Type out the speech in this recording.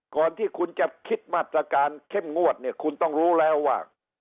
ก่อนที่คุณจะคิดมาตรการเข้มงวดเนี่ยคุณต้องรู้แล้วว่า